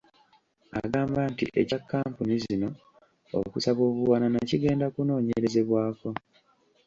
Agamba nti ekya kkampuni zino okusaba obuwanana kigenda kunoonyerezebwako.